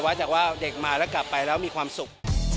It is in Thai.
จากว่าเด็กมาแล้วกลับไปแล้วมีความสุข